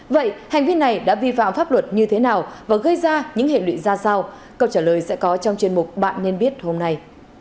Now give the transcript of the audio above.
vậy hành vi này đã vi phạm pháp luật như thế nào và gây ra những hệ lụy ra sao câu trả lời sẽ có trong chuyên mục bạn nên biết hôm nay